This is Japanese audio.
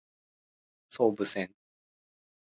総武線